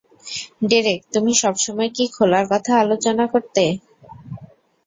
Derek, তুমি সবসময় কী খোলার কথা আলোচনা করতে?